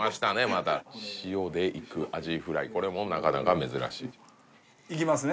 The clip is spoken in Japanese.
また塩でいくアジフライこれもなかなか珍しいいきますね？